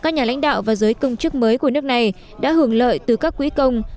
các nhà lãnh đạo và giới công chức mới của nước này đã hưởng lợi từ các quỹ công